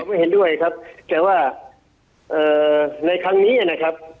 ไม่เห็นด้วยครับแต่ว่าเอ่อในครั้งนี้นะครับ